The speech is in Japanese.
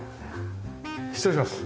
失礼します。